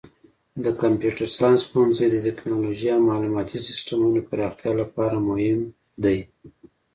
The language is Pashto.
د کمپیوټر ساینس پوهنځی د تکنالوژۍ او معلوماتي سیسټمونو پراختیا لپاره مهم دی.